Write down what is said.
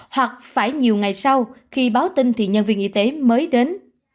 hoặc phải nhiều ngày sau khi báo tin thì nhân viên y tế mới đến